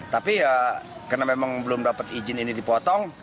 tapi ya karena memang belum dapat izin ini dipotong